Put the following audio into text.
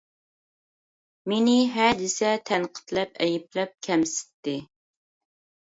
مېنى ھە دېسە تەنقىدلەپ، ئەيىبلەپ، كەمسىتتى.